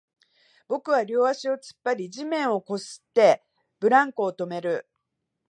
僕は両足を突っ張り、地面を擦って、ブランコを止める